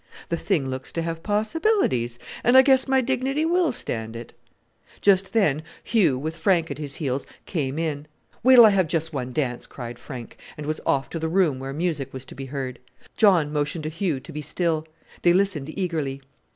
"The thing looks to have possibilities, and I guess my dignity will stand it." Just then Hugh, with Frank at his heels, came in. "Wait till I have just one dance," cried Frank, and was off to the room where music was to be heard. John motioned to Hugh to be still. They listened eagerly.